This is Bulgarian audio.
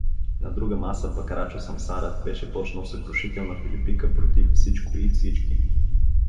На друга маса пък Рачо Самсарът беше почнал съкрушителна филипика против всичко и всички.